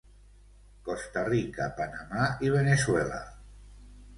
Costa Rica, Panamà i Veneçuela.